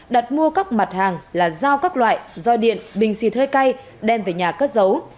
đặt mua các mặt hàng là dao các loại roi điện bình xịt hơi cay đem về nhà cất giấu